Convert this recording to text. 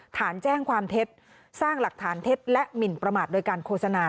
ฐานแจ้งความเท็จสร้างหลักฐานเท็จและหมินประมาทโดยการโฆษณา